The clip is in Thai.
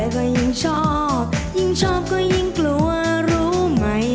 เกิดไหร่ไหมครับ